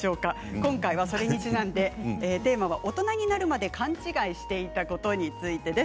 今回はそれに、ちなんで大人になるまで勘違いしていたことです。